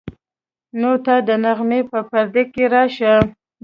نو ته د نغمې په پرده کې راشه.